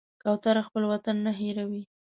کوتره خپل وطن نه هېروي.